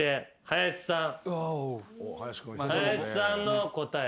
林さんの答え